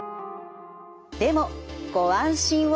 でもご安心を。